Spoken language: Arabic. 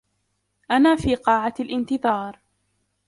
أنا في قاعة الإنتظار.